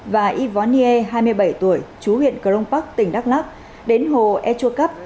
và y võ nhiê hai mươi bảy tuổi chú huyện cờ long pắc tỉnh đắk lắc đến hồ etrua cấp